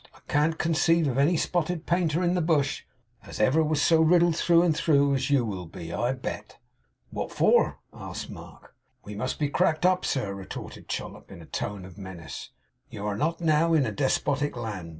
I can't con ceive of any spotted Painter in the bush, as ever was so riddled through and through as you will be, I bet.' 'What for?' asked Mark. 'We must be cracked up, sir,' retorted Chollop, in a tone of menace. 'You are not now in A despotic land.